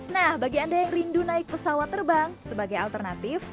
nah bagi anda yang rindu naik pesawat terbang sebagai alternatif